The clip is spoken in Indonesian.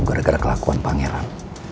gara gara kelakuan pangeran